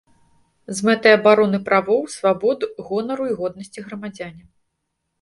З мэтай абароны правоў, свабод, гонару і годнасці грамадзяне.